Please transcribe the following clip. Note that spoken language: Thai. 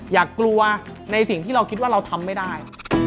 อย่ากลัวในสิ่งที่เราคิดว่าเราทำไม่ได้